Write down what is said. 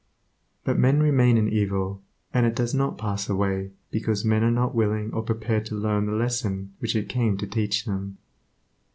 But men remain in evil, and it does not pass away because men are not willing or prepared to learn the lesson which it came to teach them.